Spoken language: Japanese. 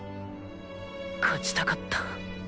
勝ちたかった。